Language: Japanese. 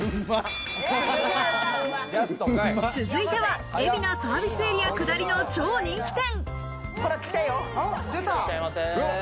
続いては海老名サービスエリア下りの超人気店。